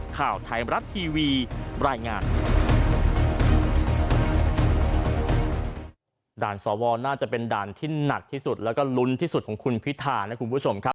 ข่าวไทยรับทีวีรายงาน